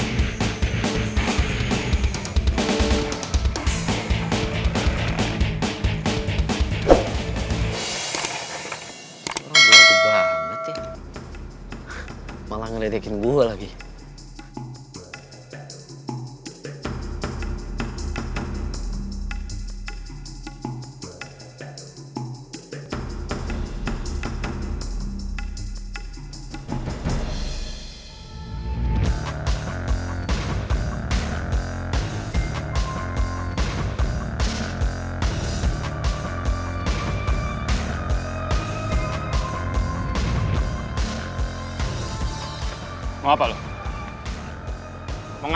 meroleh banget tuh orang